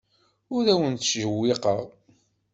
Ur awen-ttjewwiqeɣ.